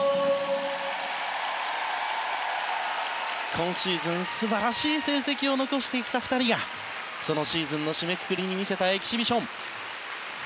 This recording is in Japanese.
今シーズン素晴らしい成績を残してきた２人がそのシーズンの締めくくりに見せたエキシビション。